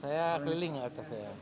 saya keliling pak aktivitasnya